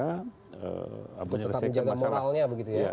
tetap menjaga moralnya begitu ya